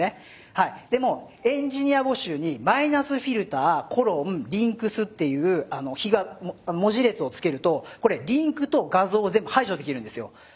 はいでもエンジニア募集に「−ｆｉｌｔｅｒ：ｌｉｎｋｓ」っていう文字列をつけるとこれリンクと画像を全部排除できるんですよ。